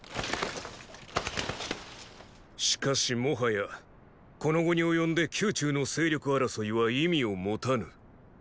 しかしもはやこの期に及んで宮中の勢力争いは意味を持たぬ。